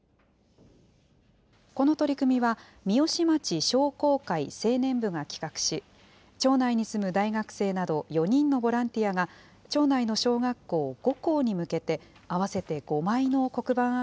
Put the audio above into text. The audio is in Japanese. この取り組みは、三芳町商工会青年部が企画し、町内に住む大学生など４人のボランティアが、町内の小学校５校に向けて、合わせて５枚の黒板